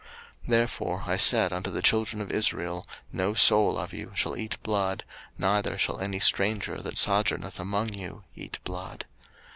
03:017:012 Therefore I said unto the children of Israel, No soul of you shall eat blood, neither shall any stranger that sojourneth among you eat blood.